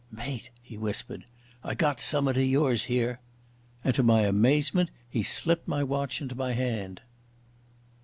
"Mate," he whispered. "I've got summat o' yours here." And to my amazement he slipped my watch into my hand.